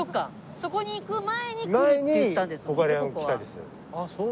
そこに行く前に来るって言ったんですもんね